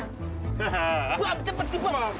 buang cepat bok